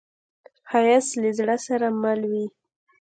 ښایست له زړه سره مل وي